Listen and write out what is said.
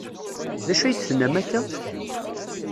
D acu ay d-tennam akka?